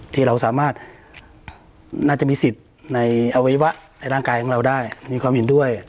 ที่เราสามารถน่าจะมีสิทธิ์ในอวัยวะในร่างกายของเราได้มีความเห็นด้วย